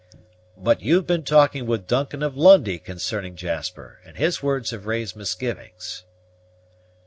"But you've been talking with Duncan of Lundie concerning Jasper, and his words have raised misgivings."